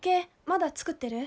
まだ作ってる？